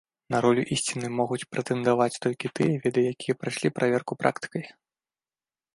На ролю ісціны могуць прэтэндаваць толькі тыя веды, якія прайшлі праверку практыкай.